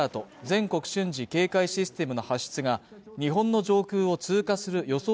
全国瞬時警戒システムの発出が日本の上空を通過する予想